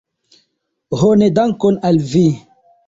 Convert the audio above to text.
Ho ne dankon al vi!